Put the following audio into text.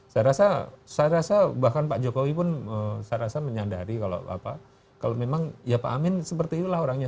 jadi saya rasa bahkan pak jokowi pun saya rasa menyadari kalau memang ya pak amin seperti itulah orangnya